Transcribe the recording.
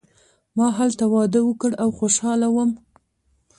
ما هلته واده وکړ او خوشحاله وم.